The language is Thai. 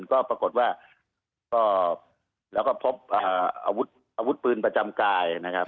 ก็ปรากฏว่าก็แล้วก็พบอาวุธปืนประจำกายนะครับ